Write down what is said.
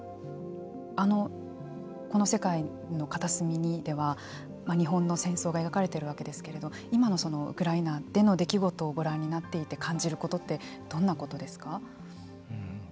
「この世界の片隅に」では日本の戦争が描かれているわけですけれど今のウクライナでの出来事をご覧になっていて感じることってどんなことですか。